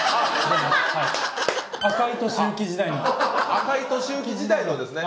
赤井俊之時代のですね。